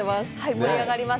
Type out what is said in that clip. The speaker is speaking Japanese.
盛り上がります。